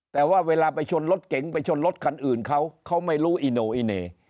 แต่ว่าเวลาไปชนรถเก๋งไปชนรถคันอื่นเขาเขาไม่รู้อีโนอิเน